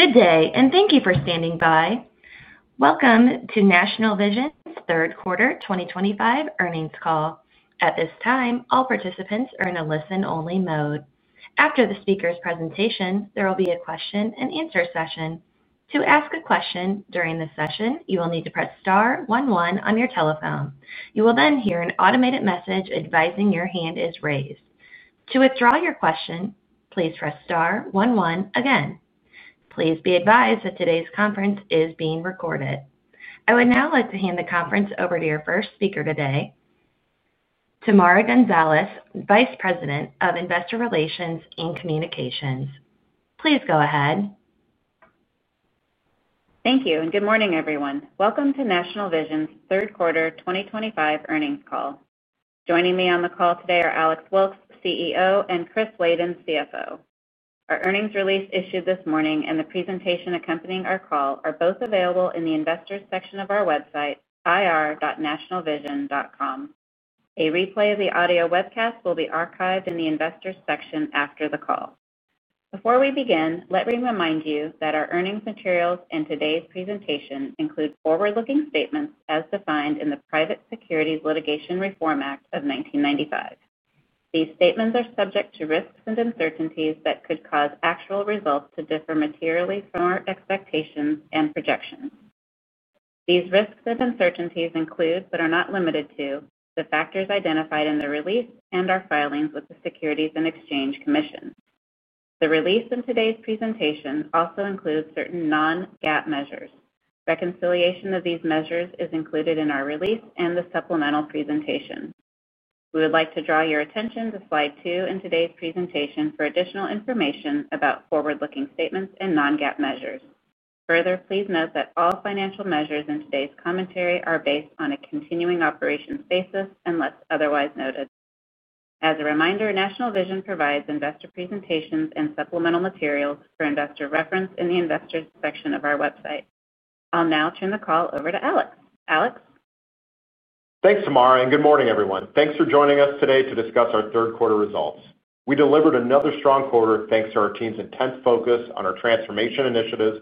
Good day, and thank you for standing by. Welcome to National Vision's third quarter 2025 earnings call. At this time, all participants are in a listen-only mode. After the speaker's presentation, there will be a question-and-answer session. To ask a question during the session, you will need to press star one one on your telephone. You will then hear an automated message advising your hand is raised. To withdraw your question, please press star one one again. Please be advised that today's conference is being recorded. I would now like to hand the conference over to your first speaker today, Tamara Gonzalez, Vice President of Investor Relations and Communications. Please go ahead. Thank you, and good morning, everyone. Welcome to National Vision's third quarter 2025 earnings call. Joining me on the call today are Alex Wilkes, CEO, and Chris Laden, CFO. Our earnings release issued this morning and the presentation accompanying our call are both available in the Investors' section of our website, ir.nationalvision.com. A replay of the audio webcast will be archived in the investors' section after the call. Before we begin, let me remind you that our earnings materials and today's presentation include forward-looking statements as defined in the Private Securities Litigation Reform Act of 1995. These statements are subject to risks and uncertainties that could cause actual results to differ materially from our expectations and projections. These risks and uncertainties include, but are not limited to, the factors identified in the release and our filings with the Securities and Exchange Commission. The release and today's presentation also include certain non-GAAP measures. Reconciliation of these measures is included in our release and the supplemental presentation. We would like to draw your attention to slide two in today's presentation for additional information about forward-looking statements and non-GAAP measures. Further, please note that all financial measures in today's commentary are based on a continuing operations basis unless otherwise noted. As a reminder, National Vision provides investor presentations and supplemental materials for investor reference in the Investors' section of our website. I'll now turn the call over to Alex. Alex. Thanks, Tamara, and good morning, everyone. Thanks for joining us today to discuss our third quarter results. We delivered another strong quarter thanks to our team's intense focus on our transformation initiatives,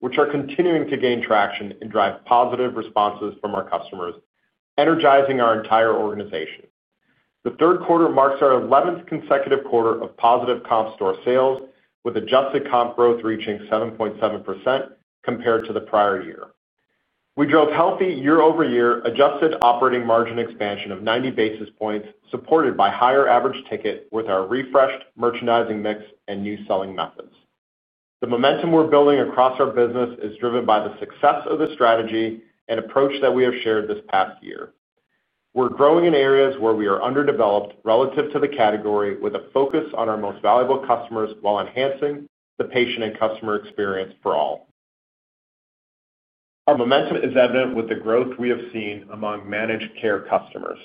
which are continuing to gain traction and drive positive responses from our customers, energizing our entire organization. The third quarter marks our 11th consecutive quarter of positive comp store sales, with adjusted comp growth reaching 7.7% compared to the prior year. We drove healthy year-over-year adjusted operating margin expansion of 90 basis points, supported by higher average ticket with our refreshed merchandising mix and new selling methods. The momentum we're building across our business is driven by the success of the strategy and approach that we have shared this past year. We're growing in areas where we are underdeveloped relative to the category, with a focus on our most valuable customers while enhancing the patient and customer experience for all. Our momentum is evident with the growth we have seen among managed care customers.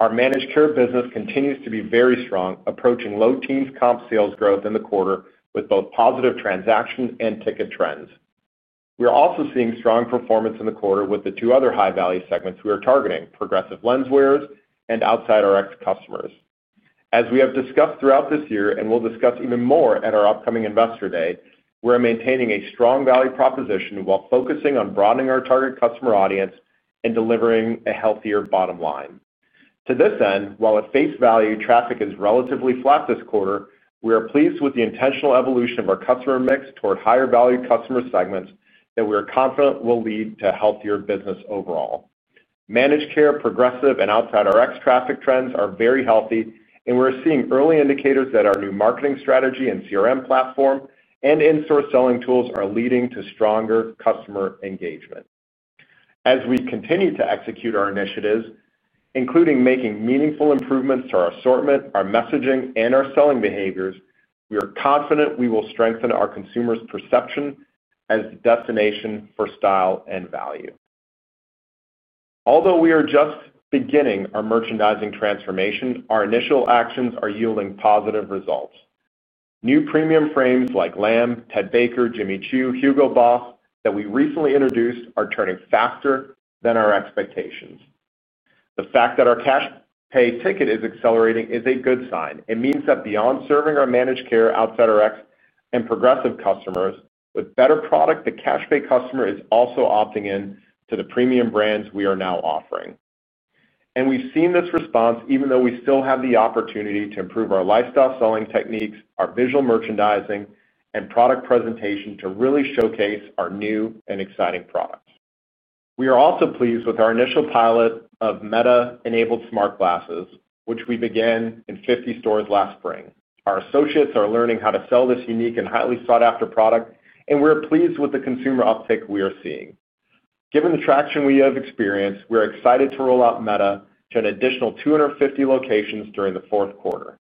Our managed care business continues to be very strong, approaching low teens comp store sales growth in the quarter with both positive transaction and ticket trends. We are also seeing strong performance in the quarter with the two other high-value segments we are targeting: progressive lens wearers and outside RX customers. As we have discussed throughout this year and will discuss even more at our upcoming investor day, we are maintaining a strong value proposition while focusing on broadening our target customer audience and delivering a healthier bottom line. To this end, while at face value, traffic is relatively flat this quarter, we are pleased with the intentional evolution of our customer mix toward higher-value customer segments that we are confident will lead to healthier business overall. Managed care, progressive, and outside RX traffic trends are very healthy, and we're seeing early indicators that our new marketing strategy and CRM platform and in-store selling tools are leading to stronger customer engagement. As we continue to execute our initiatives, including making meaningful improvements to our assortment, our messaging, and our selling behaviors, we are confident we will strengthen our consumers' perception as the destination for style and value. Although we are just beginning our merchandising transformation, our initial actions are yielding positive results. New premium frames like Lam, Ted Baker, Jimmy Choo, and Hugo Boss that we recently introduced are turning faster than our expectations. The fact that our cash pay ticket is accelerating is a good sign. It means that beyond serving our managed care, outside RX, and progressive customers, with better product, the cash pay customer is also opting in to the premium brands we are now offering. We have seen this response even though we still have the opportunity to improve our lifestyle selling techniques, our visual merchandising, and product presentation to really showcase our new and exciting products. We are also pleased with our initial pilot of Meta-enabled smart glasses, which we began in 50 stores last spring. Our associates are learning how to sell this unique and highly sought-after product, and we are pleased with the consumer uptake we are seeing. Given the traction we have experienced, we are excited to roll out Meta to an additional 250 locations during the fourth quarter.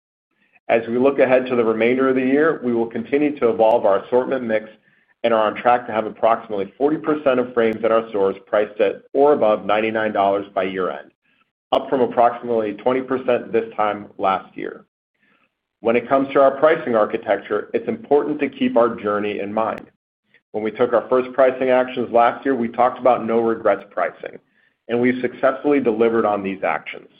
As we look ahead to the remainder of the year, we will continue to evolve our assortment mix and are on track to have approximately 40% of frames at our stores priced at or above $99 by year-end, up from approximately 20% this time last year. When it comes to our pricing architecture, it's important to keep our journey in mind. When we took our first pricing actions last year, we talked about no-regrets pricing, and we've successfully delivered on these actions.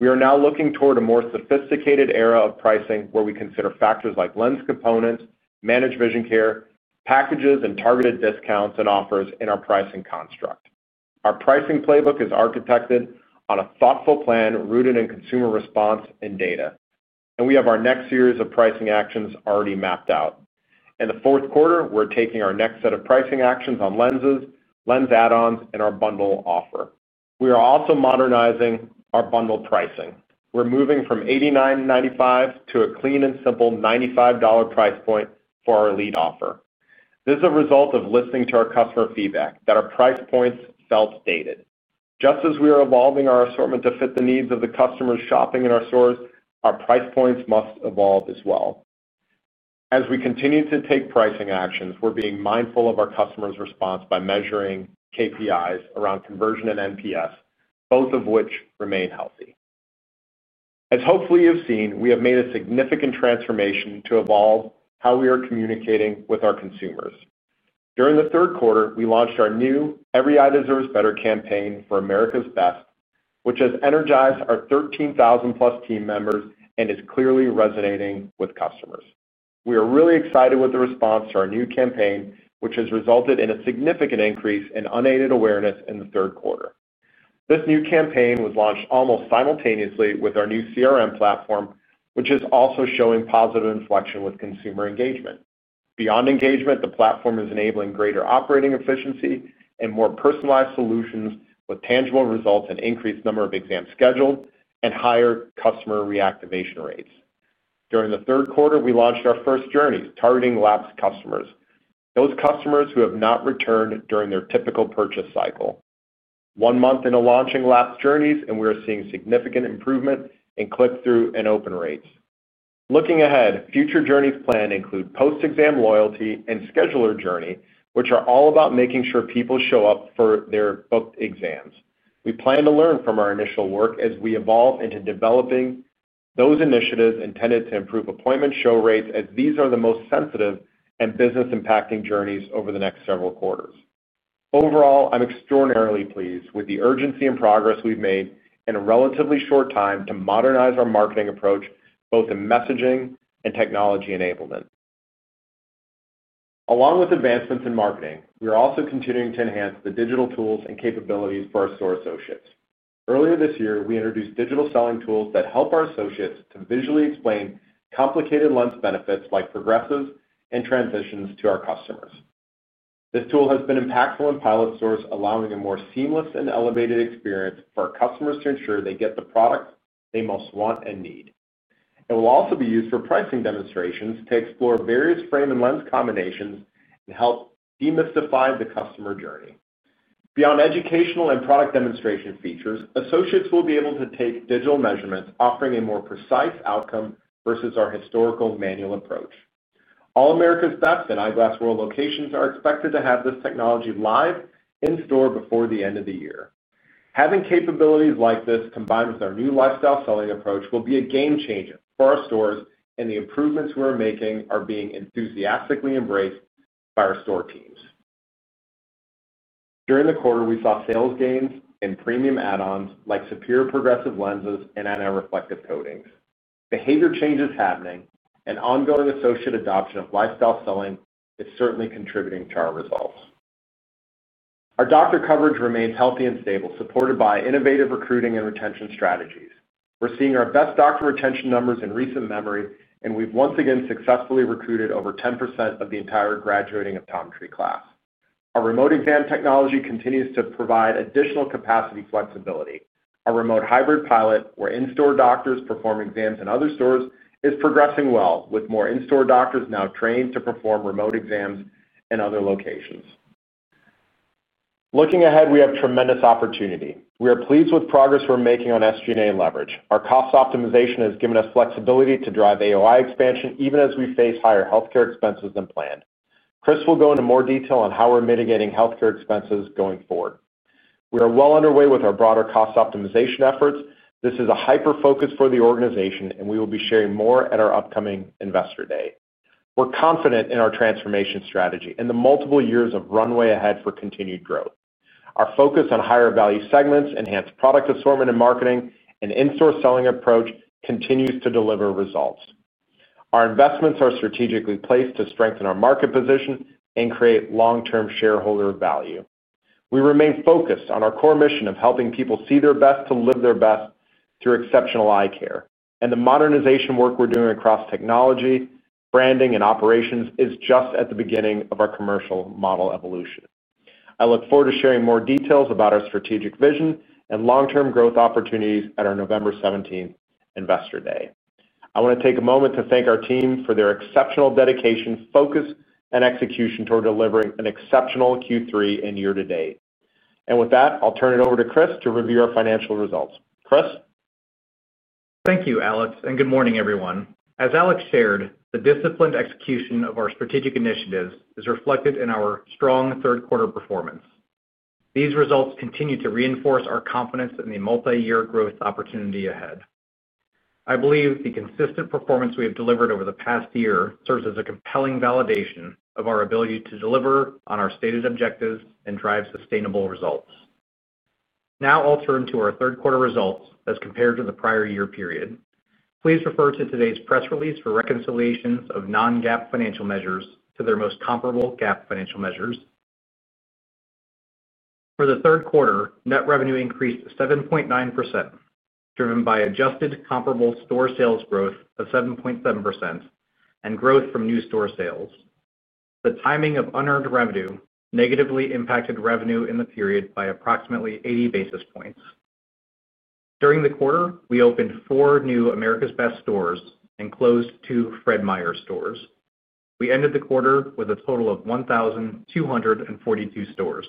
We are now looking toward a more sophisticated era of pricing where we consider factors like lens components, managed vision care, packages, and targeted discounts and offers in our pricing construct. Our pricing playbook is architected on a thoughtful plan rooted in consumer response and data, and we have our next series of pricing actions already mapped out. In the fourth quarter, we're taking our next set of pricing actions on lenses, lens add-ons, and our bundle offer. We are also modernizing our bundle pricing. We're moving from $89.95 to a clean and simple $95 price point for our lead offer. This is a result of listening to our customer feedback that our price points felt dated. Just as we are evolving our assortment to fit the needs of the customers shopping in our stores, our price points must evolve as well. As we continue to take pricing actions, we're being mindful of our customers' response by measuring KPIs around conversion and NPS, both of which remain healthy. As hopefully you've seen, we have made a significant transformation to evolve how we are communicating with our consumers. During the third quarter, we launched our new Every Eye Deserves Better campaign for America's Best, which has energized our 13,000+ team members and is clearly resonating with customers. We are really excited with the response to our new campaign, which has resulted in a significant increase in unaided awareness in the third quarter. This new campaign was launched almost simultaneously with our new CRM platform, which is also showing positive inflection with consumer engagement. Beyond engagement, the platform is enabling greater operating efficiency and more personalized solutions with tangible results and increased number of exams scheduled and higher customer reactivation rates. During the third quarter, we launched our first journeys, targeting lapsed customers, those customers who have not returned during their typical purchase cycle. One month into launching lapsed journeys, and we are seeing significant improvement in click-through and open rates. Looking ahead, future journeys plan include post-exam loyalty and scheduler journey, which are all about making sure people show up for their booked exams. We plan to learn from our initial work as we evolve into developing those initiatives intended to improve appointment show rates, as these are the most sensitive and business-impacting journeys over the next several quarters. Overall, I'm extraordinarily pleased with the urgency and progress we've made in a relatively short time to modernize our marketing approach, both in messaging and technology enablement. Along with advancements in marketing, we are also continuing to enhance the digital tools and capabilities for our store associates. Earlier this year, we introduced digital selling tools that help our associates to visually explain complicated lens benefits like progressives and transitions to our customers. This tool has been impactful in pilot stores, allowing a more seamless and elevated experience for our customers to ensure they get the product they most want and need. It will also be used for pricing demonstrations to explore various frame and lens combinations and help demystify the customer journey. Beyond educational and product demonstration features, associates will be able to take digital measurements, offering a more precise outcome versus our historical manual approach. All America's Best and Eyeglass World locations are expected to have this technology live in store before the end of the year. Having capabilities like this combined with our new lifestyle selling approach will be a game changer for our stores, and the improvements we're making are being enthusiastically embraced by our store teams. During the quarter, we saw sales gains in premium add-ons like superior progressive lenses and anti-reflective coatings. Behavior change is happening, and ongoing associate adoption of lifestyle selling is certainly contributing to our results. Our doctor coverage remains healthy and stable, supported by innovative recruiting and retention strategies. We're seeing our best doctor retention numbers in recent memory, and we've once again successfully recruited over 10% of the entire graduating optometry class. Our remote exam technology continues to provide additional capacity flexibility. Our remote hybrid pilot, where in-store doctors perform exams in other stores, is progressing well, with more in-store doctors now trained to perform remote exams in other locations. Looking ahead, we have tremendous opportunity. We are pleased with progress we're making on SG&A leverage. Our cost optimization has given us flexibility to drive AOI expansion even as we face higher healthcare expenses than planned. Chris will go into more detail on how we're mitigating healthcare expenses going forward. We are well underway with our broader cost optimization efforts. This is a hyper-focus for the organization, and we will be sharing more at our upcoming investor day. We are confident in our transformation strategy and the multiple years of runway ahead for continued growth. Our focus on higher-value segments, enhanced product assortment and marketing, and in-store selling approach continues to deliver results. Our investments are strategically placed to strengthen our market position and create long-term shareholder value. We remain focused on our core mission of helping people see their best to live their best through exceptional eye care. The modernization work we are doing across technology, branding, and operations is just at the beginning of our commercial model evolution. I look forward to sharing more details about our strategic vision and long-term growth opportunities at our November 17th investor day. I want to take a moment to thank our team for their exceptional dedication, focus, and execution toward delivering an exceptional Q3 and year-to-date. With that, I'll turn it over to Chris to review our financial results. Chris. Thank you, Alex, and good morning, everyone. As Alex shared, the disciplined execution of our strategic initiatives is reflected in our strong third-quarter performance. These results continue to reinforce our confidence in the multi-year growth opportunity ahead. I believe the consistent performance we have delivered over the past year serves as a compelling validation of our ability to deliver on our stated objectives and drive sustainable results. Now I'll turn to our third-quarter results as compared to the prior year period. Please refer to today's press release for reconciliations of non-GAAP financial measures to their most comparable GAAP financial measures. For the third quarter, net revenue increased 7.9%, driven by adjusted comparable store sales growth of 7.7% and growth from new store sales. The timing of unearned revenue negatively impacted revenue in the period by approximately 80 basis points. During the quarter, we opened four new America's Best stores and closed two Fred Meyer stores. We ended the quarter with a total of 1,242 stores.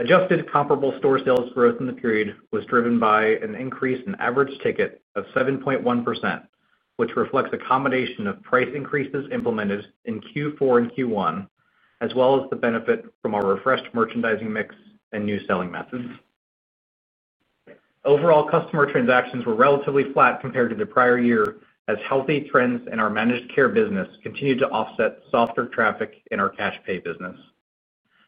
Adjusted comparable store sales growth in the period was driven by an increase in average ticket of 7.1%, which reflects a combination of price increases implemented in Q4 and Q1, as well as the benefit from our refreshed merchandising mix and new selling methods. Overall, customer transactions were relatively flat compared to the prior year, as healthy trends in our managed care business continued to offset softer traffic in our cash pay business.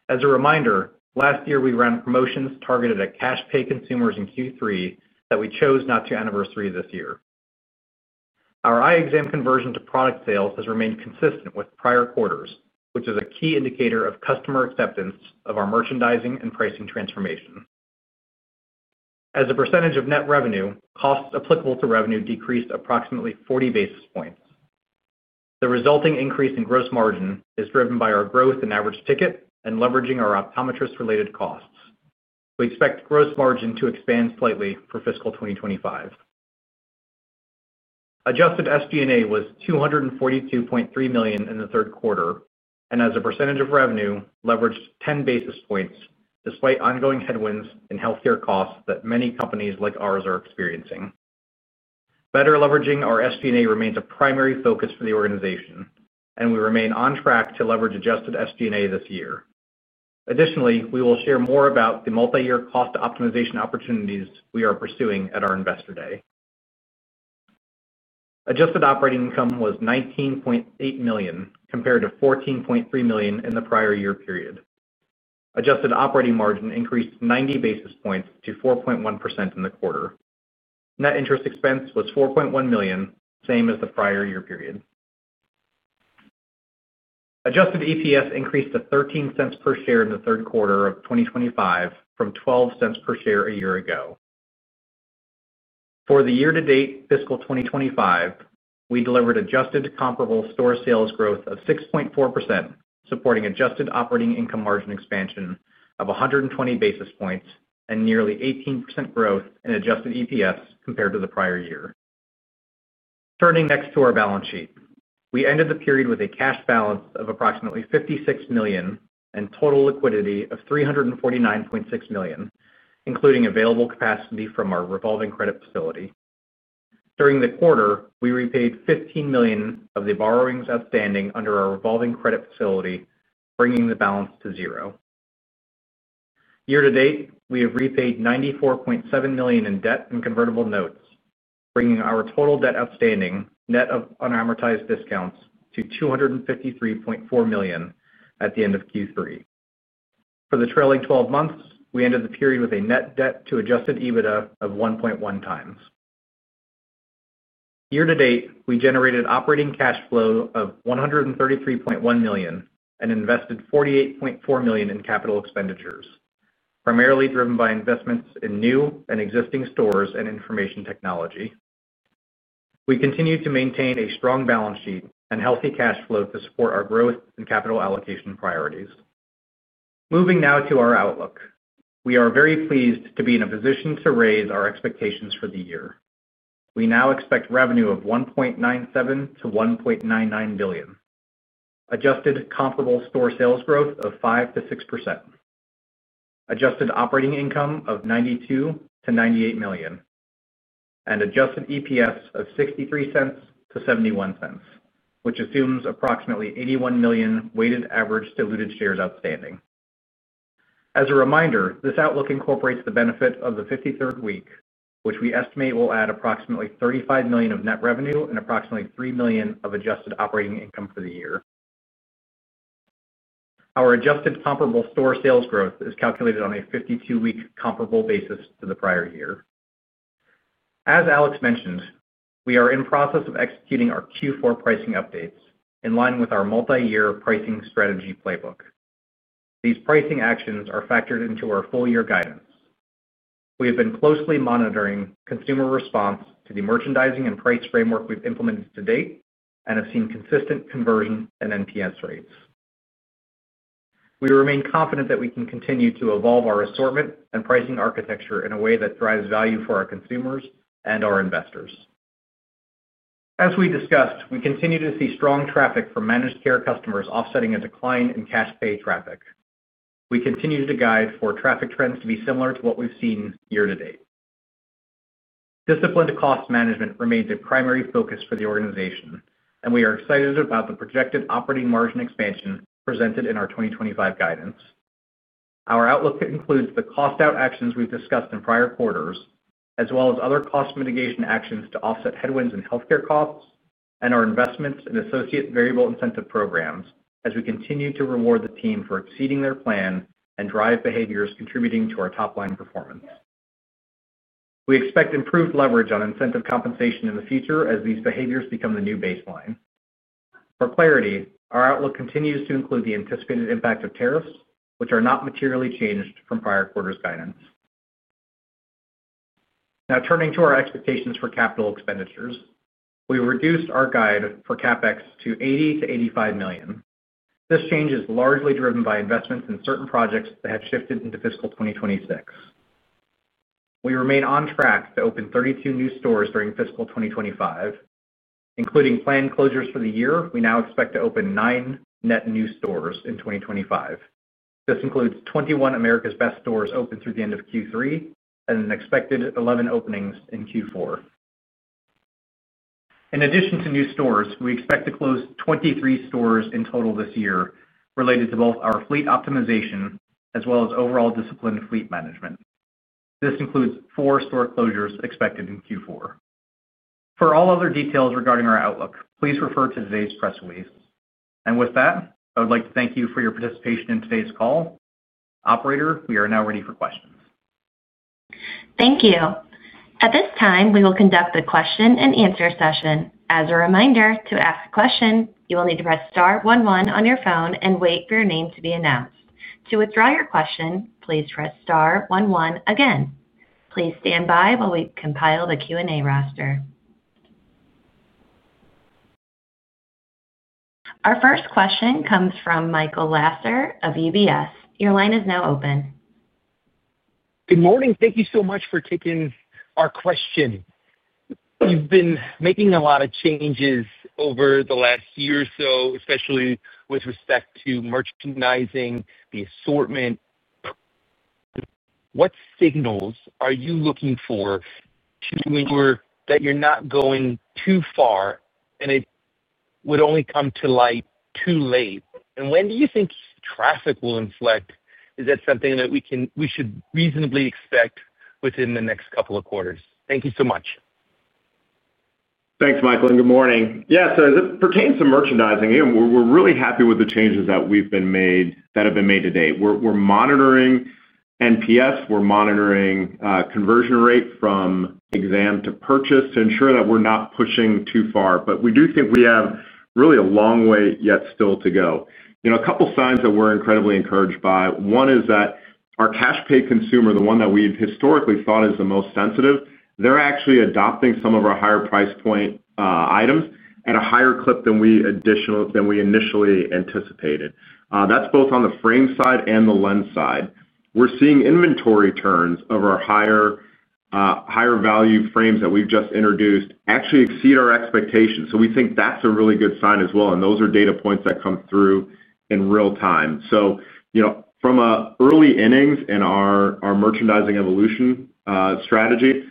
As a reminder, last year we ran promotions targeted at cash pay consumers in Q3 that we chose not to anniversary this year. Our eye exam conversion to product sales has remained consistent with prior quarters, which is a key indicator of customer acceptance of our merchandising and pricing transformation. As a percentage of net revenue, costs applicable to revenue decreased approximately 40 basis points. The resulting increase in gross margin is driven by our growth in average ticket and leveraging our optometrist-related costs. We expect gross margin to expand slightly for fiscal 2025. Adjusted SG&A was $242.3 million in the third quarter, and as a percentage of revenue, leveraged 10 basis points despite ongoing headwinds in healthcare costs that many companies like ours are experiencing. Better leveraging our SG&A remains a primary focus for the organization, and we remain on track to leverage adjusted SG&A this year. Additionally, we will share more about the multi-year cost optimization opportunities we are pursuing at our investor day. Adjusted operating income was $19.8 million compared to $14.3 million in the prior year period. Adjusted operating margin increased 90 basis points to 4.1% in the quarter. Net interest expense was $4.1 million, same as the prior year period. Adjusted EPS increased to $0.13 per share in the third quarter of 2025 from $0.12 per share a year ago. For the year-to-date fiscal 2025, we delivered adjusted comparable store sales growth of 6.4%, supporting adjusted operating income margin expansion of 120 basis points and nearly 18% growth in adjusted EPS compared to the prior year. Turning next to our balance sheet, we ended the period with a cash balance of approximately $56 million and total liquidity of $349.6 million, including available capacity from our revolving credit facility. During the quarter, we repaid $15 million of the borrowings outstanding under our revolving credit facility, bringing the balance to zero. Year-to-date, we have repaid $94.7 million in debt and convertible notes, bringing our total debt outstanding, net of unamortized discounts, to $253.4 million at the end of Q3. For the trailing 12 months, we ended the period with a net debt to adjusted EBITDA of 1.1x. Year-to-date, we generated operating cash flow of $133.1 million and invested $48.4 million in capital expenditures, primarily driven by investments in new and existing stores and information technology. We continue to maintain a strong balance sheet and healthy cash flow to support our growth and capital allocation priorities. Moving now to our outlook, we are very pleased to be in a position to raise our expectations for the year. We now expect revenue of $1.97 billion-$1.99 billion, adjusted comparable store sales growth of 5%-6%, adjusted operating income of $92 million-$98 million, and adjusted EPS of $0.63-$0.71, which assumes approximately 81 million weighted average diluted shares outstanding. As a reminder, this outlook incorporates the benefit of the 53rd week, which we estimate will add approximately $35 million of net revenue and approximately $3 million of adjusted operating income for the year. Our adjusted comparable store sales growth is calculated on a 52-week comparable basis to the prior year. As Alex mentioned, we are in the process of executing our Q4 pricing updates in line with our multi-year pricing strategy playbook. These pricing actions are factored into our full-year guidance. We have been closely monitoring consumer response to the merchandising and price framework we've implemented to date and have seen consistent conversion and NPS rates. We remain confident that we can continue to evolve our assortment and pricing architecture in a way that drives value for our consumers and our investors. As we discussed, we continue to see strong traffic from managed care customers offsetting a decline in cash pay traffic. We continue to guide for traffic trends to be similar to what we've seen year-to-date. Disciplined cost management remains a primary focus for the organization, and we are excited about the projected operating margin expansion presented in our 2025 guidance. Our outlook includes the cost-out actions we've discussed in prior quarters, as well as other cost mitigation actions to offset headwinds in healthcare costs and our investments in associate variable incentive programs as we continue to reward the team for exceeding their plan and drive behaviors contributing to our top-line performance. We expect improved leverage on incentive compensation in the future as these behaviors become the new baseline. For clarity, our outlook continues to include the anticipated impact of tariffs, which are not materially changed from prior quarter's guidance. Now turning to our expectations for capital expenditures, we reduced our guide for CapEx to $80 million-$85 million. This change is largely driven by investments in certain projects that have shifted into fiscal 2026. We remain on track to open 32 new stores during fiscal 2025. Including planned closures for the year, we now expect to open nine net new stores in 2025. This includes 21 America's Best stores opened through the end of Q3 and an expected 11 openings in Q4. In addition to new stores, we expect to close 23 stores in total this year related to both our fleet optimization as well as overall disciplined fleet management. This includes four store closures expected in Q4. For all other details regarding our outlook, please refer to today's press release. I would like to thank you for your participation in today's call. Operator, we are now ready for questions. Thank you. At this time, we will conduct the question-and-answer session. As a reminder, to ask a question, you will need to press star one one on your phone and wait for your name to be announced. To withdraw your question, please press star one one again. Please stand by while we compile the Q&A roster. Our first question comes from Michael Lasser of UBS. Your line is now open. Good morning. Thank you so much for taking our question. You've been making a lot of changes over the last year or so, especially with respect to merchandising, the assortment. What signals are you looking for to know that you're not going too far and it would only come to light too late? When do you think traffic will inflect? Is that something that we should reasonably expect within the next couple of quarters? Thank you so much. Thanks, Michael, and good morning. Yeah, as it pertains to merchandising, we're really happy with the changes that have been made to date. We're monitoring NPS. We're monitoring conversion rate from exam to purchase to ensure that we're not pushing too far. We do think we have really a long way yet still to go. A couple of signs that we're incredibly encouraged by, one is that our cash pay consumer, the one that we've historically thought is the most sensitive, they're actually adopting some of our higher price point items at a higher clip than we initially anticipated. That's both on the frame side and the lens side. We're seeing inventory turns of our higher value frames that we've just introduced actually exceed our expectations. We think that's a really good sign as well. Those are data points that come through in real time. From early innings in our merchandising evolution strategy,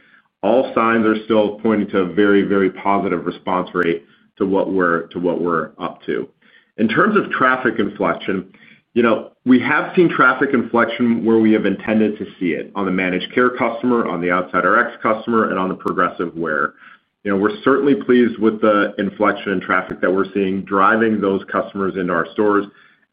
all signs are still pointing to a very, very positive response rate to what we're up to. In terms of traffic inflection, we have seen traffic inflection where we have intended to see it on the managed care customer, on the outside RX customer, and on the progressive wear. We're certainly pleased with the inflection in traffic that we're seeing driving those customers into our stores.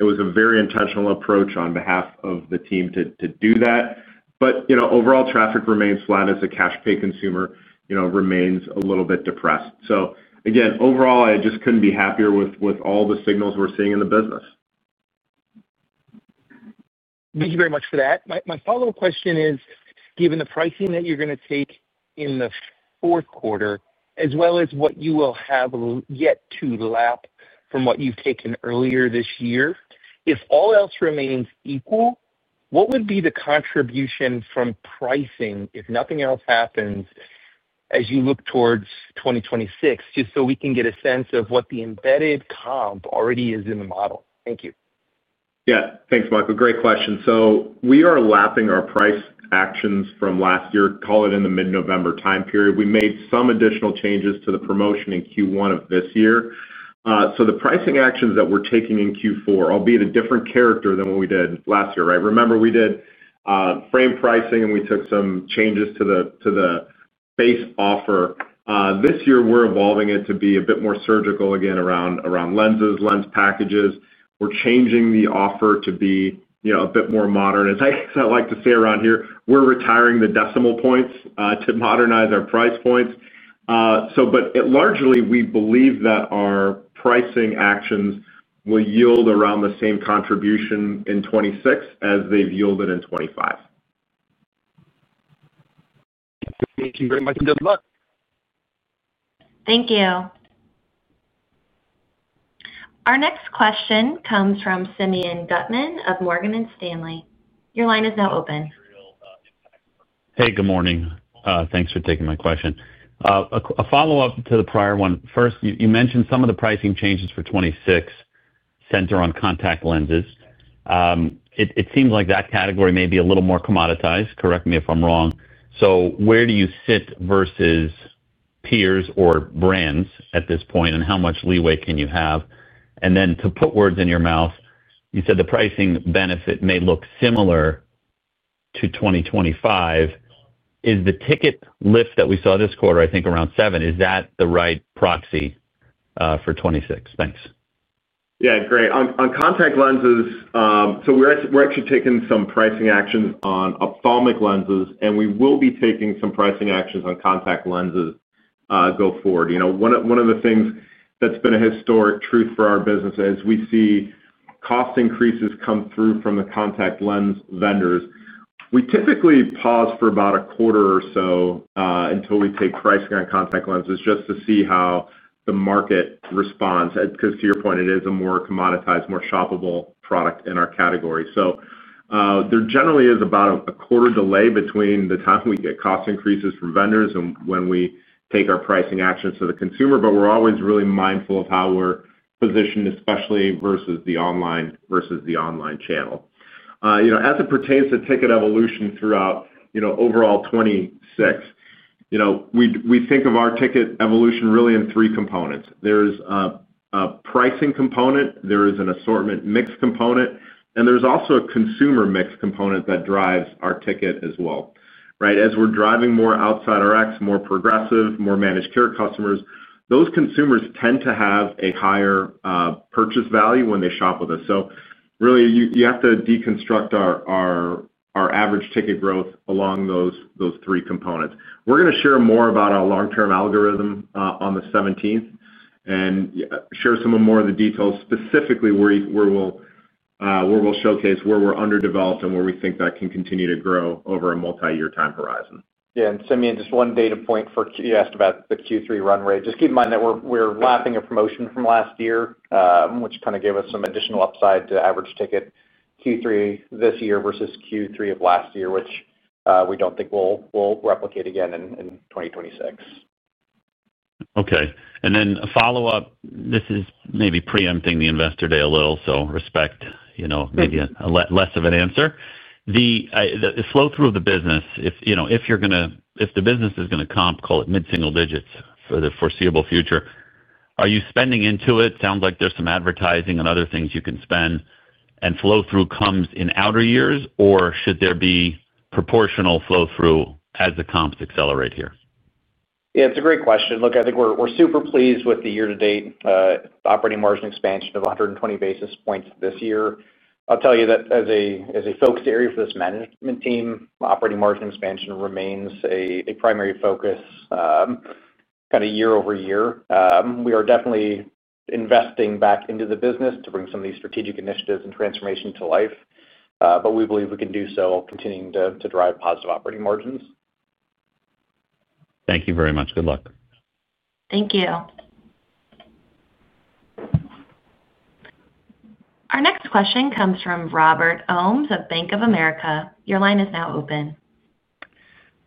It was a very intentional approach on behalf of the team to do that. Overall, traffic remains flat as the cash pay consumer remains a little bit depressed. Again, overall, I just could not be happier with all the signals we're seeing in the business. Thank you very much for that. My follow-up question is, given the pricing that you're going to take in the fourth quarter, as well as what you will have yet to lap from what you've taken earlier this year, if all else remains equal, what would be the contribution from pricing, if nothing else happens, as you look towards 2026, just so we can get a sense of what the embedded comp already is in the model? Thank you. Yeah, thanks, Michael. Great question. We are lapping our price actions from last year, call it in the mid-November time period. We made some additional changes to the promotion in Q1 of this year. The pricing actions that we're taking in Q4, albeit a different character than what we did last year, right? Remember, we did frame pricing, and we took some changes to the base offer. This year, we're evolving it to be a bit more surgical again around lenses, lens packages. We're changing the offer to be a bit more modern. As I like to say around here, we're retiring the decimal points to modernize our price points. Largely, we believe that our pricing actions will yield around the same contribution in 2026 as they've yielded in 2025. Thank you very much, and good luck. Thank you. Our next question comes from Simeon Gutman of Morgan Stanley. Your line is now open. Hey, good morning. Thanks for taking my question. A follow-up to the prior one. First, you mentioned some of the pricing changes for 2026 center on contact lenses. It seems like that category may be a little more commoditized. Correct me if I'm wrong. So where do you sit versus peers or brands at this point, and how much leeway can you have? To put words in your mouth, you said the pricing benefit may look similar to 2025. Is the ticket lift that we saw this quarter, I think around 7, is that the right proxy for 2026? Thanks. Yeah, great. On contact lenses, so we're actually taking some pricing actions on ophthalmic lenses, and we will be taking some pricing actions on contact lenses go forward. One of the things that's been a historic truth for our business as we see cost increases come through from the contact lens vendors, we typically pause for about a quarter or so until we take pricing on contact lenses just to see how the market responds because to your point, it is a more commoditized, more shoppable product in our category. There generally is about a quarter delay between the time we get cost increases from vendors and when we take our pricing actions to the consumer. But we're always really mindful of how we're positioned, especially versus the online channel. As it pertains to ticket evolution throughout overall 2026. We think of our ticket evolution really in three components. There's a pricing component, there is an assortment mix component, and there's also a consumer mix component that drives our ticket as well. As we're driving more outside RX, more progressive, more managed care customers, those consumers tend to have a higher purchase value when they shop with us. You have to deconstruct our average ticket growth along those three components. We're going to share more about our long-term algorithm on the 17th and share some more of the details, specifically where we'll showcase where we're underdeveloped and where we think that can continue to grow over a multi-year time horizon. Yeah. Simeon, just one data point for you asked about the Q3 run rate. Just keep in mind that we're lapping a promotion from last year, which kind of gave us some additional upside to average ticket Q3 this year versus Q3 of last year, which we don't think we'll replicate again in 2026. Okay. And then a follow-up, this is maybe preempting the investor day a little, so respect, maybe less of an answer. The flow through of the business, if you're going to, if the business is going to comp, call it mid-single digits for the foreseeable future, are you spending into it? Sounds like there's some advertising and other things you can spend. And flow through comes in outer years, or should there be proportional flow through as the comps accelerate here? Yeah, it's a great question. Look, I think we're super pleased with the year-to-date operating margin expansion of 120 basis points this year. I'll tell you that as a focus area for this management team, operating margin expansion remains a primary focus kind of year-over-year. We are definitely investing back into the business to bring some of these strategic initiatives and transformation to life. We believe we can do so continuing to drive positive operating margins. Thank you very much. Good luck. Thank you. Our next question comes from Robert Ohmes of Bank of America. Your line is now open.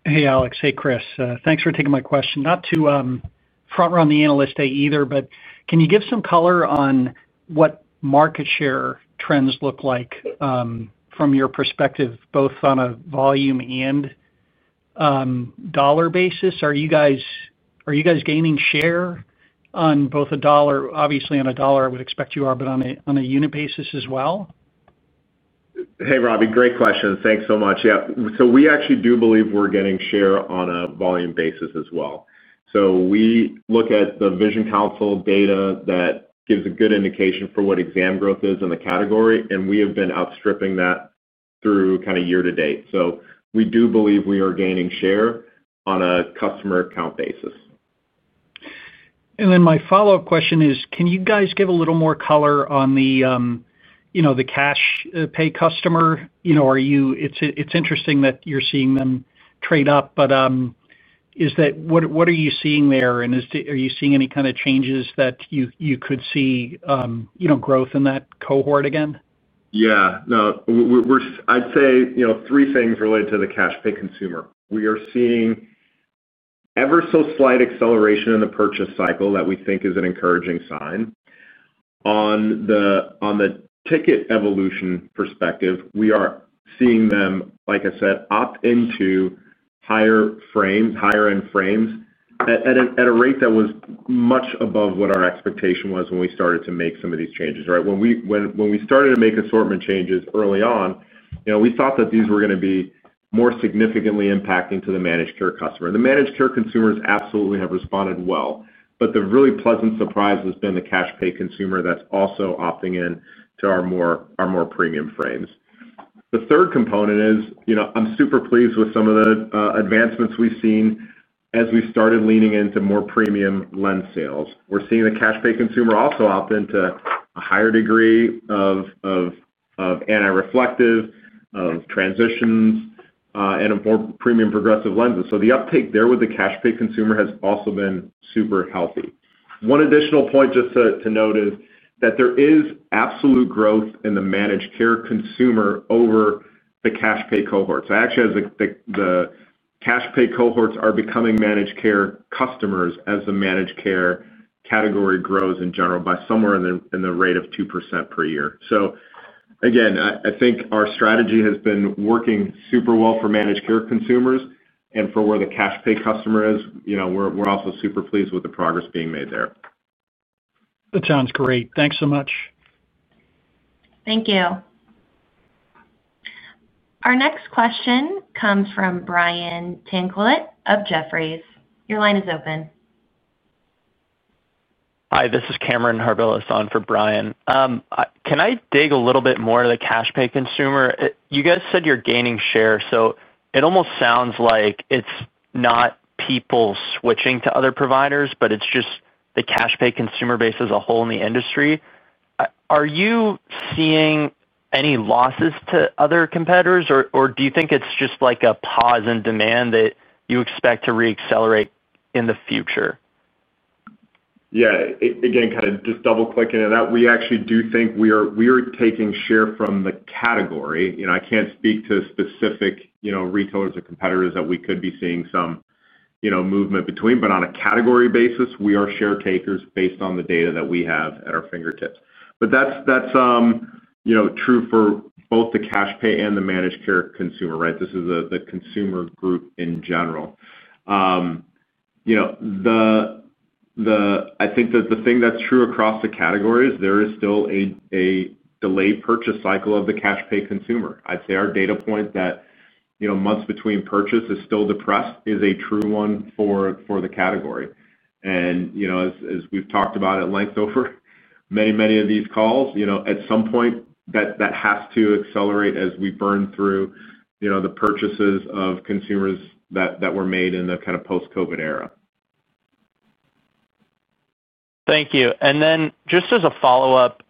Hey, Alex. Hey, Chris. Thanks for taking my question. Not to front-run the analyst day either, but can you give some color on what market share trends look like from your perspective, both on a volume and dollar basis? Are you guys gaining share on both a dollar, obviously on a dollar, I would expect you are, but on a unit basis as well? Hey, Robbie, great question. Thanks so much. Yeah. We actually do believe we're getting share on a volume basis as well. We look at the Vision Council data that gives a good indication for what exam growth is in the category, and we have been outstripping that through kind of year to date. We do believe we are gaining share on a customer count basis. My follow-up question is, can you guys give a little more color on the cash pay customer? It's interesting that you're seeing them trade up. What are you seeing there? Are you seeing any kind of changes that you could see growth in that cohort again? Yeah. No. I'd say three things related to the cash pay consumer. We are seeing ever so slight acceleration in the purchase cycle that we think is an encouraging sign. On the ticket evolution perspective, we are seeing them, like I said, opt into higher frames, higher-end frames, at a rate that was much above what our expectation was when we started to make some of these changes, right? When we started to make assortment changes early on, we thought that these were going to be more significantly impacting to the managed care customer. The managed care consumers absolutely have responded well. The really pleasant surprise has been the cash pay consumer that's also opting in to our more premium frames. The third component is I'm super pleased with some of the advancements we've seen as we started leaning into more premium lens sales. We're seeing the cash pay consumer also opt into a higher degree of anti-reflective, of transitions, and more premium progressive lenses. The uptake there with the cash pay consumer has also been super healthy. One additional point just to note is that there is absolute growth in the managed care consumer over the cash pay cohorts. Actually, the cash pay cohorts are becoming managed care customers as the managed care category grows in general by somewhere in the rate of 2% per year. I think our strategy has been working super well for managed care consumers. For where the cash pay customer is, we're also super pleased with the progress being made there. That sounds great. Thanks so much. Thank you. Our next question comes from Brian Tanquilut of Jefferies. Your line is open. Hi, this is Cameron Harbilas on for Brian. Can I dig a little bit more into the cash pay consumer? You guys said you're gaining share. It almost sounds like it's not people switching to other providers, but it's just the cash pay consumer base as a whole in the industry. Are you seeing any losses to other competitors, or do you think it's just like a pause in demand that you expect to re-accelerate in the future? Yeah. Again, kind of just double-clicking on that, we actually do think we are taking share from the category. I can't speak to specific retailers or competitors that we could be seeing some movement between. On a category basis, we are share takers based on the data that we have at our fingertips. That's true for both the cash pay and the managed care consumer, right? This is the consumer group in general. I think that the thing that's true across the categories, there is still a delayed purchase cycle of the cash pay consumer. I'd say our data point that months between purchase is still depressed is a true one for the category. As we've talked about at length over many, many of these calls, at some point, that has to accelerate as we burn through the purchases of consumers that were made in the kind of post-COVID era. Thank you. And then just as a follow-up,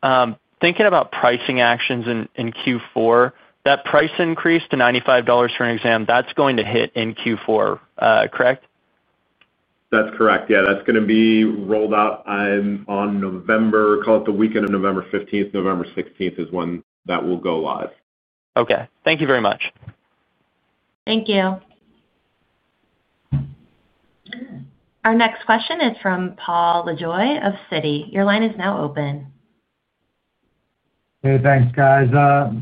thinking about pricing actions in Q4, that price increase to $95 for an exam, that's going to hit in Q4, correct? That's correct. Yeah. That's going to be rolled out on November, call it the weekend of November 15th, November 16th is when that will go live. Okay. Thank you very much. Thank you. Our next question is from Paul Lejuez of Citi. Your line is now open. Hey, thanks, guys.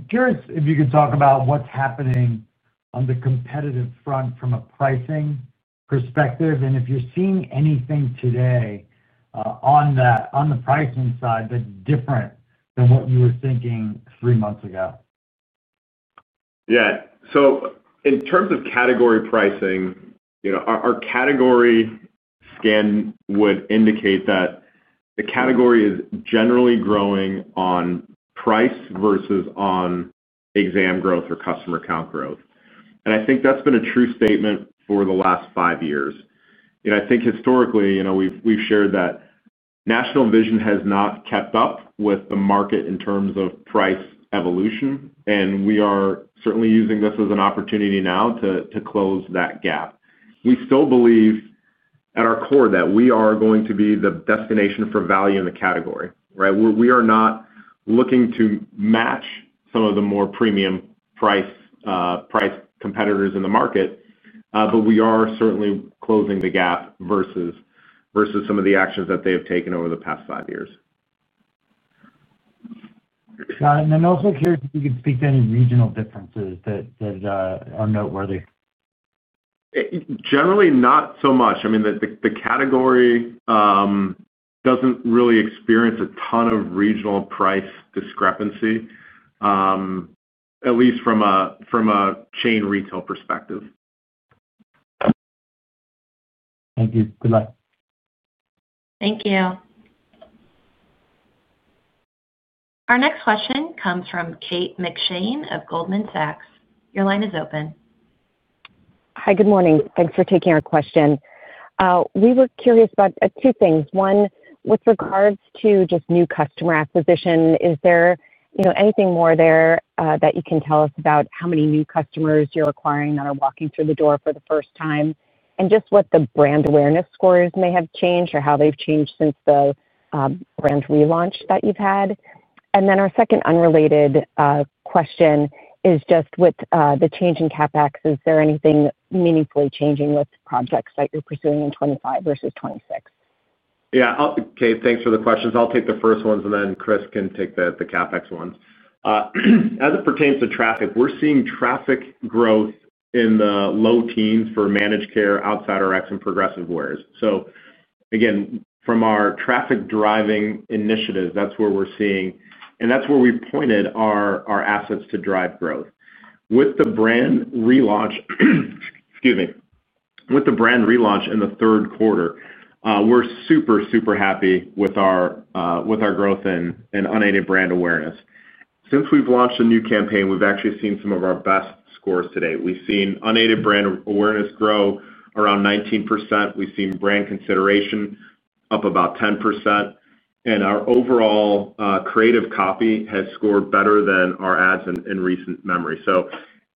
Curious if you could talk about what's happening on the competitive front from a pricing perspective, and if you're seeing anything today on the pricing side that's different than what you were thinking three months ago? Yeah. In terms of category pricing, our category scan would indicate that the category is generally growing on price versus on exam growth or customer count growth. I think that's been a true statement for the last five years. I think historically, we've shared that National Vision has not kept up with the market in terms of price evolution. We are certainly using this as an opportunity now to close that gap. We still believe at our core that we are going to be the destination for value in the category, right? We are not looking to match some of the more premium price competitors in the market. We are certainly closing the gap versus some of the actions that they have taken over the past five years. Could you speak to any regional differences that are noteworthy? Generally, not so much. I mean, the category doesn't really experience a ton of regional price discrepancy, at least from a chain retail perspective. Thank you. Good luck. Thank you. Our next question comes from Kate McShane of Goldman Sachs. Your line is open. Hi, good morning. Thanks for taking our question. We were curious about two things. One, with regards to just new customer acquisition, is there anything more there that you can tell us about how many new customers you're acquiring that are walking through the door for the first time, and just what the brand awareness scores may have changed or how they've changed since the brand relaunch that you've had? Our second unrelated question is just with the change in CapEx, is there anything meaningfully changing with projects that you're pursuing in 2025 versus 2026? Yeah. Okay. Thanks for the questions. I'll take the first ones, and then Chris can take the CapEx ones. As it pertains to traffic, we're seeing traffic growth in the low teens for managed care, outside RX, and progressive wares. From our traffic driving initiatives, that's where we're seeing, and that's where we pointed our assets to drive growth. With the brand relaunch, excuse me, with the brand relaunch in the third quarter, we're super, super happy with our growth and unaided brand awareness. Since we've launched a new campaign, we've actually seen some of our best scores today. We've seen unaided brand awareness grow around 19%, we've seen brand consideration up about 10%. Our overall creative copy has scored better than our ads in recent memory.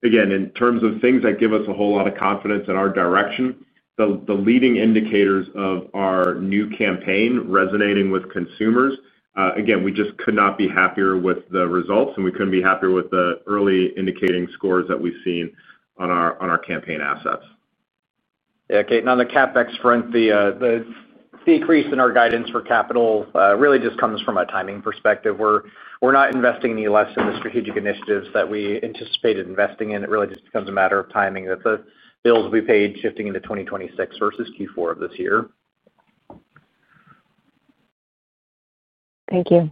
In terms of things that give us a whole lot of confidence in our direction, the leading indicators of our new campaign resonating with consumers, again, we just could not be happier with the results, and we couldn't be happier with the early indicating scores that we've seen on our campaign assets. Yeah, Kate. On the CapEx front, the decrease in our guidance for capital really just comes from a timing perspective. We're not investing any less in the strategic initiatives that we anticipated investing in. It really just becomes a matter of timing that the bills we paid shifting into 2026 versus Q4 of this year. Thank you.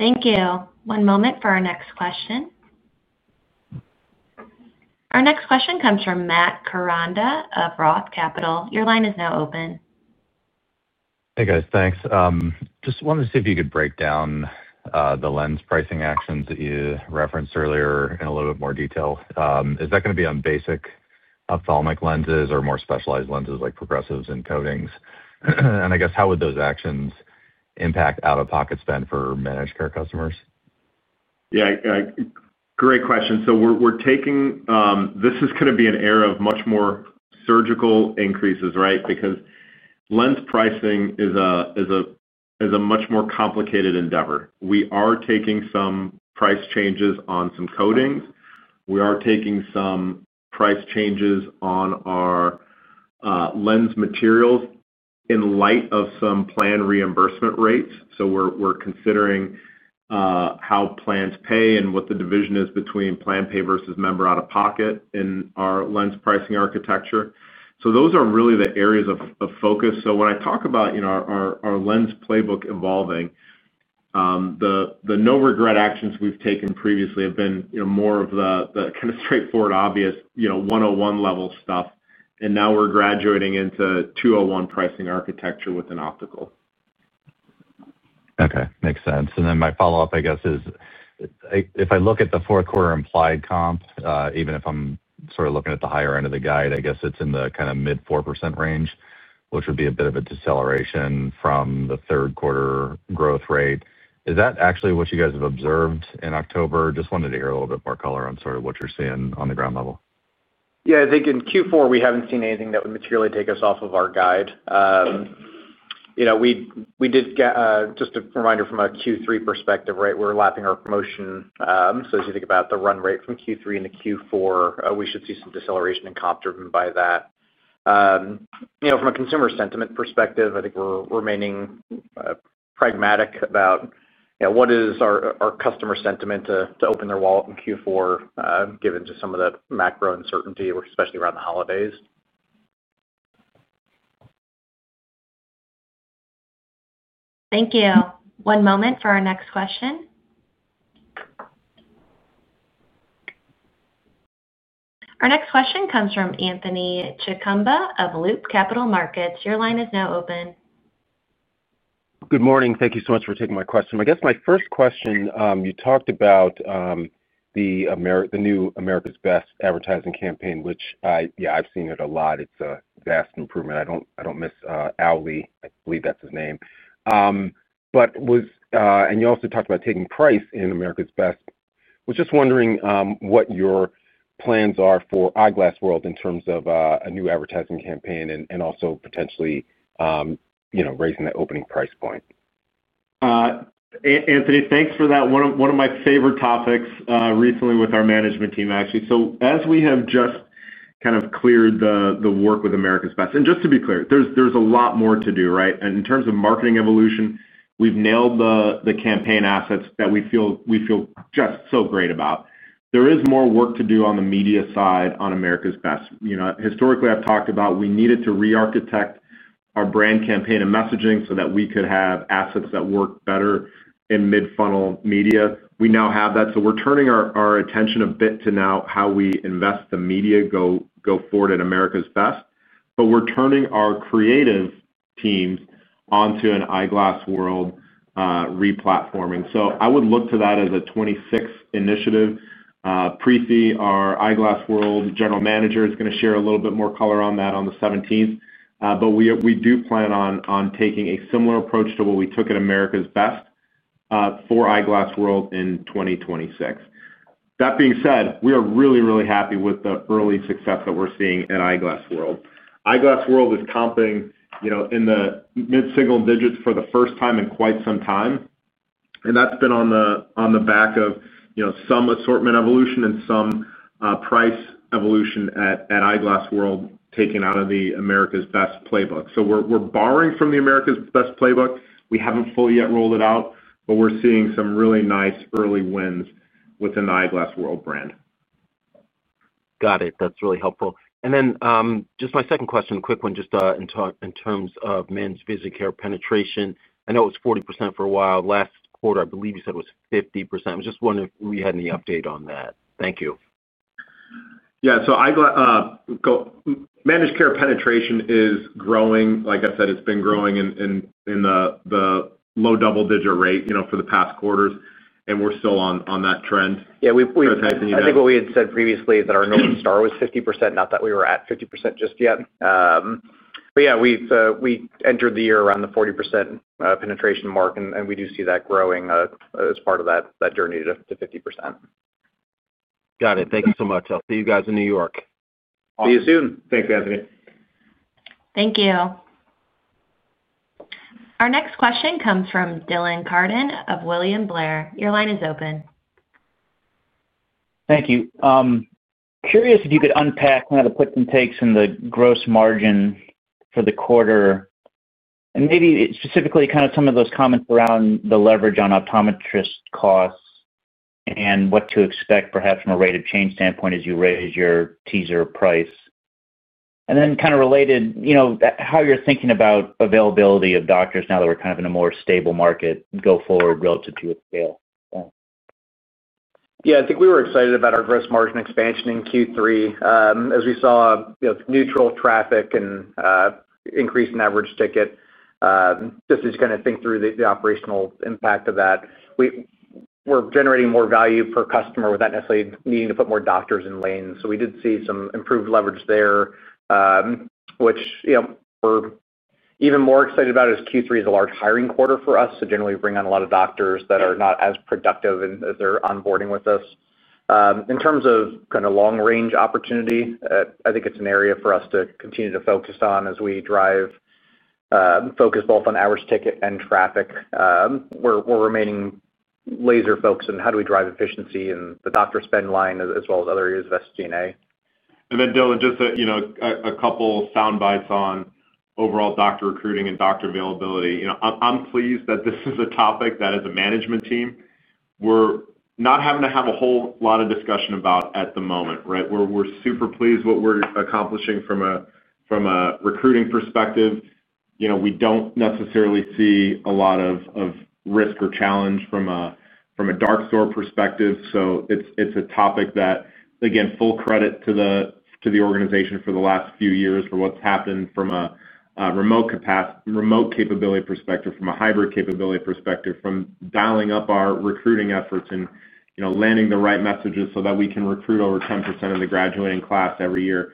Thank you. One moment for our next question. Our next question comes from Matt Koranda of Roth Capital. Your line is now open. Hey, guys. Thanks. Just wanted to see if you could break down the lens pricing actions that you referenced earlier in a little bit more detail. Is that going to be on basic ophthalmic lenses or more specialized lenses like progressives and coatings? I guess, how would those actions impact out-of-pocket spend for managed care customers? Yeah. Great question. We're taking, this is going to be an era of much more surgical increases, right? Because lens pricing is a much more complicated endeavor. We are taking some price changes on some coatings. We are taking some price changes on our lens materials in light of some plan reimbursement rates. We're considering how plans pay and what the division is between plan pay versus member out-of-pocket in our lens pricing architecture. Those are really the areas of focus. When I talk about our lens playbook evolving, the no-regret actions we've taken previously have been more of the kind of straightforward, obvious 101-level stuff. Now we're graduating into 201 pricing architecture with an optical. Okay. Makes sense. My follow-up, I guess, is if I look at the fourth quarter implied comp, even if I am sort of looking at the higher end of the guide, I guess it is in the kind of mid 4% range, which would be a bit of a deceleration from the third quarter growth rate. Is that actually what you guys have observed in October? Just wanted to hear a little bit more color on sort of what you are seeing on the ground level. Yeah. I think in Q4, we haven't seen anything that would materially take us off of our guide. We did get just a reminder from a Q3 perspective, right? We're lapping our promotion. As you think about the run rate from Q3 into Q4, we should see some deceleration in comp driven by that. From a consumer sentiment perspective, I think we're remaining pragmatic about what is our customer sentiment to open their wallet in Q4 given just some of the macro uncertainty, especially around the holidays. Thank you. One moment for our next question. Our next question comes from Anthony Chukumba of Loop Capital Markets. Your line is now open. Good morning. Thank you so much for taking my question. I guess my first question, you talked about the new America's Best advertising campaign, which, yeah, I've seen it a lot. It's a vast improvement. I don't miss Ali, I believe that's his name. And you also talked about taking price in America's Best. Was just wondering what your plans are for Eyeglass World in terms of a new advertising campaign and also potentially raising that opening price point. Anthony, thanks for that. One of my favorite topics recently with our management team, actually. As we have just kind of cleared the work with America's Best, and just to be clear, there's a lot more to do, right? In terms of marketing evolution, we've nailed the campaign assets that we feel just so great about. There is more work to do on the media side on America's Best. Historically, I've talked about we needed to re-architect our brand campaign and messaging so that we could have assets that work better in mid-funnel media. We now have that. We're turning our attention a bit to now how we invest the media go forward in America's Best. We're turning our creative teams onto an Eyeglass World replatforming. I would look to that as a 2026 initiative. Precy, our Eyeglass World General Manager, is going to share a little bit more color on that on the 17th. We do plan on taking a similar approach to what we took at America's Best for Eyeglass World in 2026. That being said, we are really, really happy with the early success that we're seeing at Eyeglass World. Eyeglass World is comping in the mid-single digits for the first time in quite some time. That's been on the back of some assortment evolution and some price evolution at Eyeglass World taken out of the America's Best playbook. We are borrowing from the America's Best playbook. We haven't fully yet rolled it out, but we're seeing some really nice early wins within the Eyeglass World brand. Got it. That's really helpful. Just my second question, quick one, just in terms of managed vision care penetration. I know it was 40% for a while. Last quarter, I believe you said it was 50%. I was just wondering if we had any update on that. Thank you. Yeah. Managed care penetration is growing. Like I said, it's been growing in the low double-digit rate for the past quarters. We're still on that trend. Yeah. I think what we had said previously is that our North Star was 50%, not that we were at 50% just yet. Yeah, we entered the year around the 40% penetration mark, and we do see that growing as part of that journey to 50%. Got it. Thank you so much. I'll see you guys in New York. See you soon. Thanks, Anthony. Thank you. Our next question comes from Dylan Carden of William Blair. Your line is open. Thank you. Curious if you could unpack kind of the puts and takes in the gross margin for the quarter. Maybe specifically kind of some of those comments around the leverage on optometrist costs and what to expect perhaps from a rate of change standpoint as you raise your teaser price. Then kind of related, how you're thinking about availability of doctors now that we're kind of in a more stable market going forward relative to your scale. Yeah. I think we were excited about our gross margin expansion in Q3 as we saw neutral traffic and increase in average ticket. Just as you kind of think through the operational impact of that. We're generating more value per customer without necessarily needing to put more doctors in lanes. We did see some improved leverage there, which. What we're even more excited about is Q3 is a large hiring quarter for us. Generally, we bring on a lot of doctors that are not as productive as they're onboarding with us. In terms of kind of long-range opportunity, I think it's an area for us to continue to focus on as we drive focus both on average ticket and traffic. We're remaining laser-focused on how do we drive efficiency in the doctor spend line as well as other areas of SG&A. Dylan, just a couple of soundbites on overall doctor recruiting and doctor availability. I'm pleased that this is a topic that, as a management team, we're not having to have a whole lot of discussion about at the moment, right? We're super pleased with what we're accomplishing from a recruiting perspective, we don't necessarily see a lot of risk or challenge from a dark store perspective. It is a topic that, again, full credit to the organization for the last few years for what's happened from a remote capability perspective, from a hybrid capability perspective, from dialing up our recruiting efforts and landing the right messages so that we can recruit over 10% of the graduating class every year.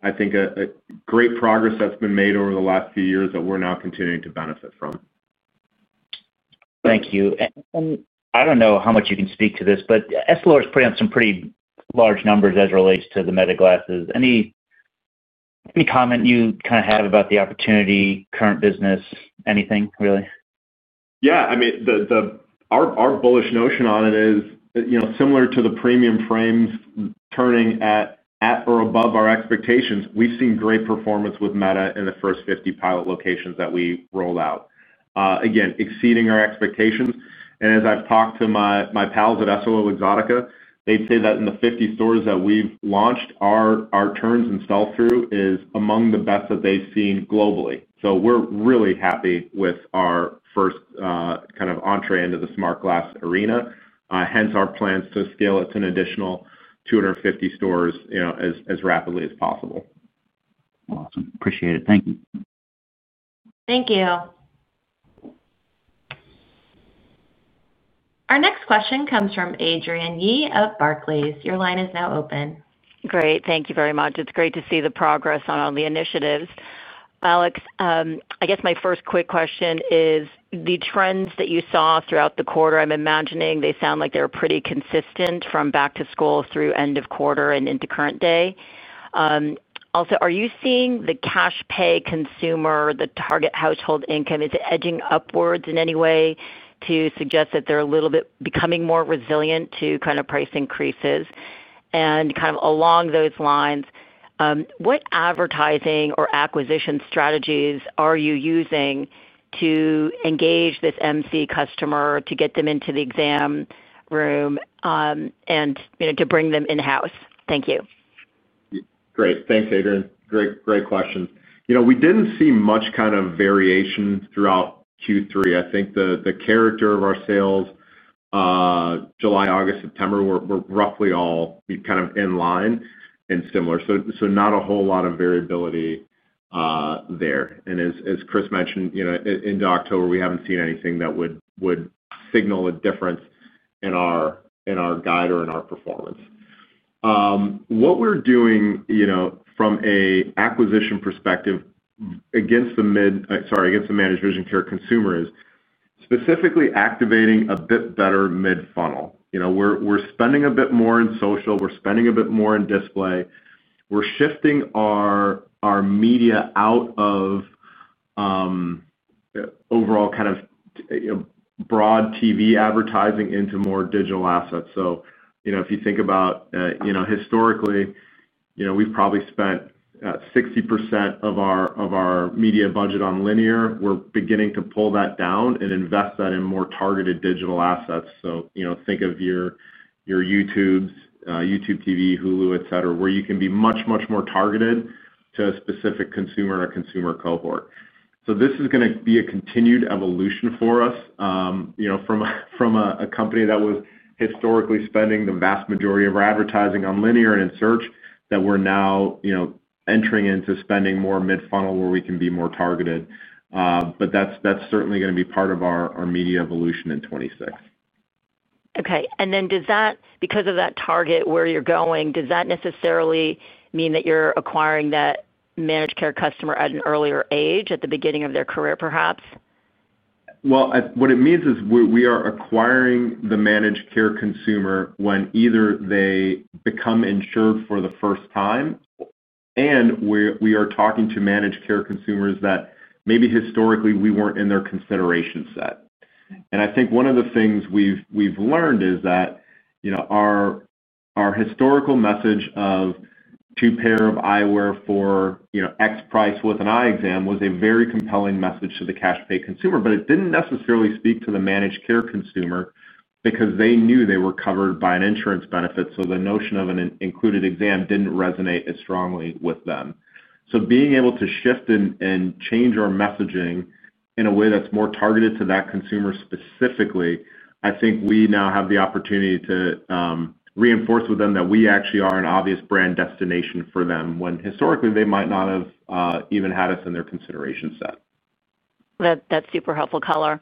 I think it's great progress that's been made over the last few years that we're now continuing to benefit from. Thank you. I do not know how much you can speak to this, but EssilorLuxottica is putting out some pretty large numbers as it relates to the Meta Glasses. Any comment you kind of have about the opportunity, current business, anything really? Yeah. I mean. Our bullish notion on it is similar to the premium frames turning at or above our expectations. We've seen great performance with Meta in the first 50 pilot locations that we rolled out, again, exceeding our expectations. As I've talked to my pals at EssilorLuxottica, they'd say that in the 50 stores that we've launched, our turns and sell-through is among the best that they've seen globally. We are really happy with our first kind of entree into the smart glass arena. Hence, our plans to scale it to an additional 250 stores as rapidly as possible. Awesome. Appreciate it. Thank you. Thank you. Our next question comes from Adrienne Yih of Barclays. Your line is now open. Great. Thank you very much. It's great to see the progress on all the initiatives. Alex, I guess my first quick question is the trends that you saw throughout the quarter. I'm imagining they sound like they're pretty consistent from back to school through end of quarter and into current day. Also, are you seeing the cash pay consumer, the target household income, is it edging upwards in any way to suggest that they're a little bit becoming more resilient to kind of price increases? Kind of along those lines, what advertising or acquisition strategies are you using to engage this MC customer to get them into the exam room and to bring them in-house? Thank you. Great. Thanks, Adrienne. Great questions. We didn't see much kind of variation throughout Q3. I think the character of our sales, July, August, September, were roughly all kind of in line and similar, so not a whole lot of variability there. And as Chris mentioned, into October, we haven't seen anything that would signal a difference in our guide or in our performance. What we're doing from an acquisition perspective against the managed care consumer is specifically activating a bit better mid-funnel. We're spending a bit more in social. We're spending a bit more in display. We're shifting our media out of overall kind of broad TV advertising into more digital assets. If you think about historically, we've probably spent 60% of our media budget on linear. We're beginning to pull that down and invest that in more targeted digital assets. Think of your YouTubes, YouTube TV, Hulu, et cetera, where you can be much, much more targeted to a specific consumer or consumer cohort. This is going to be a continued evolution for us. From a company that was historically spending the vast majority of our advertising on linear and in search, we are now entering into spending more mid-funnel where we can be more targeted. That is certainly going to be part of our media evolution in 2026. Okay. And then does that, because of that target where you're going, does that necessarily mean that you're acquiring that managed care customer at an earlier age, at the beginning of their career, perhaps? What it means is we are acquiring the managed care consumer when either they become insured for the first time, and we are talking to managed care consumers that maybe historically we were not in their consideration set. I think one of the things we have learned is that our historical message of "Two pair of eyewear for X price with an eye exam" was a very compelling message to the cash pay consumer, but it did not necessarily speak to the managed care consumer because they knew they were covered by an insurance benefit. The notion of an included exam did not resonate as strongly with them. Being able to shift and change our messaging in a way that is more targeted to that consumer specifically, I think we now have the opportunity to reinforce with them that we actually are an obvious brand destination for them when historically they might not have even had us in their consideration set. That's super helpful, Collar.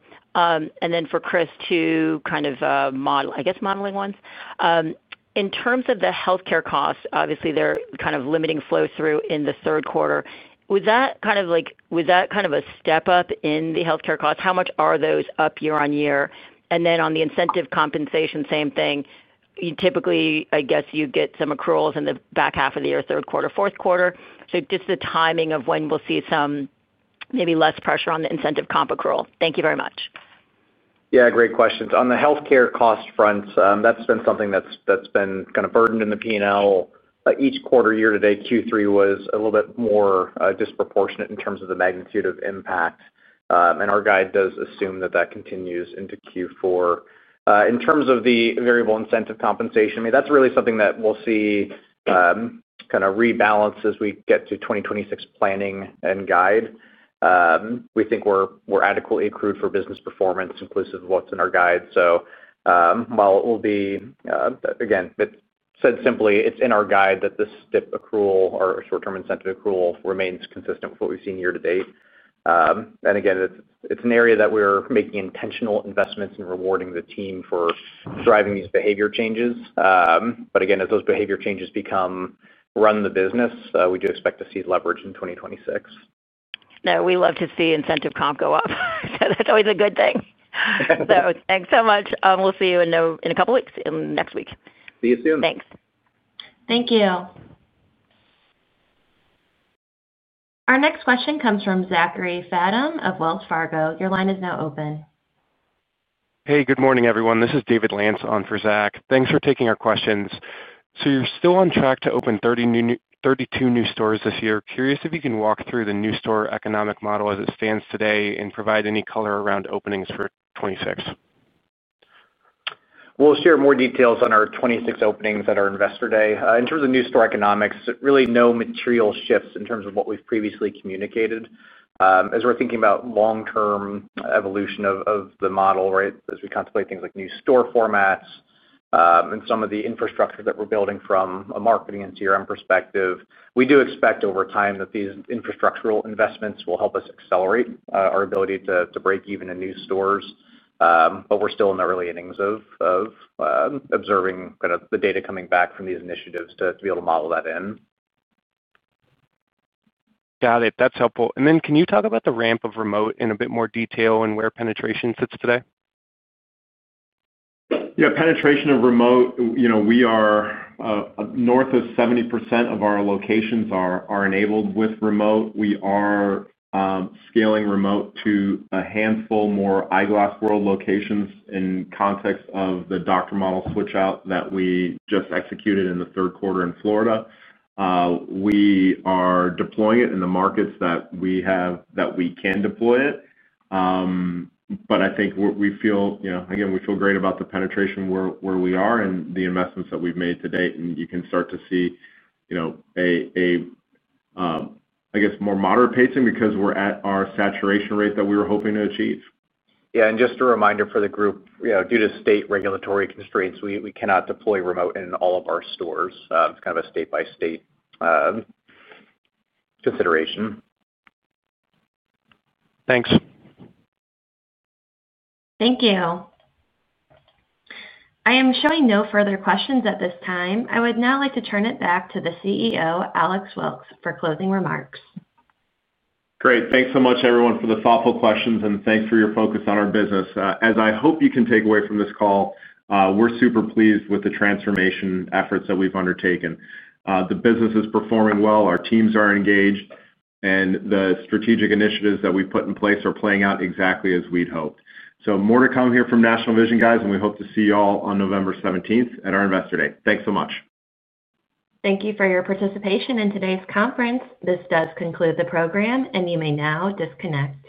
For Chris, to kind of, I guess, modeling ones. In terms of the healthcare costs, obviously, kind of limiting flow-through in the third quarter. Was that kind of like, was that kind of a step up in the healthcare costs? How much are those up year-on-year? On the incentive compensation, same thing. Typically, I guess you get some accruals in the back half of the year, third quarter, fourth quarter. Just the timing of when we'll see some maybe less pressure on the incentive comp accrual. Thank you very much. Yeah. Great questions. On the healthcare cost fronts, that's been something that's been kind of burdened in the P&L. Each quarter year to date, Q3 was a little bit more disproportionate in terms of the magnitude of impact. Our guide does assume that that continues into Q4. In terms of the variable incentive compensation, I mean, that's really something that we'll see kind of rebalance as we get to 2026 planning and guide. We think we're adequately accrued for business performance, inclusive of what's in our guide. While it will be, again, said simply, it's in our guide that this stiff accrual or short-term incentive accrual remains consistent with what we've seen year to date. Again, it's an area that we're making intentional investments in rewarding the team for driving these behavior changes. Again, as those behavior changes become run the business, we do expect to see leverage in 2026. No, we love to see incentive comp go up. That's always a good thing. Thanks so much. We'll see you in a couple of weeks, next week. See you soon. Thanks. Thank you. Our next question comes from Zachary Fadem of Wells Fargo. Your line is now open. Hey, good morning, everyone. This is David Lance on for Zach. Thanks for taking our questions. You're still on track to open 32 new stores this year. Curious if you can walk through the new store economic model as it stands today and provide any color around openings for 2026. We'll share more details on our 2026 openings at our investor day. In terms of new store economics, really no material shifts in terms of what we've previously communicated. As we're thinking about long-term evolution of the model, right, as we contemplate things like new store formats and some of the infrastructure that we're building from a marketing and CRM perspective, we do expect over time that these infrastructural investments will help us accelerate our ability to break even in new stores. We're still in the early innings of observing kind of the data coming back from these initiatives to be able to model that in. Got it. That's helpful. Can you talk about the ramp of remote in a bit more detail and where penetration sits today? Yeah. Penetration of remote. We are north of 70% of our locations are enabled with remote. We are scaling remote to a handful more Eyeglass World locations in context of the doctor model switch-out that we just executed in the third quarter in Florida. We are deploying it in the markets that we have that we can deploy it. I think we feel, again, we feel great about the penetration where we are and the investments that we've made to date. You can start to see, I guess, more moderate pacing because we're at our saturation rate that we were hoping to achieve. Yeah. Just a reminder for the group, due to state regulatory constraints, we cannot deploy remote in all of our stores. It's kind of a state-by-state consideration. Thanks. Thank you. I am showing no further questions at this time. I would now like to turn it back to the CEO, Alex Wilkes, for closing remarks. Great. Thanks so much, everyone, for the thoughtful questions, and thanks for your focus on our business. As I hope you can take away from this call, we're super pleased with the transformation efforts that we've undertaken. The business is performing well. Our teams are engaged. The strategic initiatives that we've put in place are playing out exactly as we'd hoped. More to come here from National Vision, guys, and we hope to see you all on November 17th at our investor day. Thanks so much. Thank you for your participation in today's conference. This does conclude the program, and you may now disconnect.